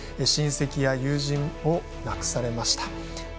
親戚や友人を亡くされました。